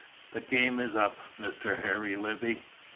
The game is up, Mr. Harry Levey.